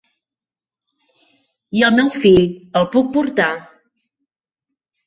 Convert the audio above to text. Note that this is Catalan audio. I el meu fill, el puc portar?